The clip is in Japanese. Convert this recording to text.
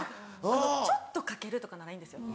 ちょっとかけるとかならいいんですよ。